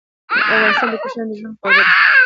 افغانستان د کوچیانو د ژوند کوربه دی.